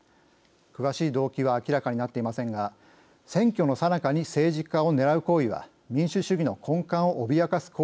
詳しい動機は明らかになっていませんが選挙のさなかに政治家を狙う行為は民主主義の根幹を脅かす行為でもあります。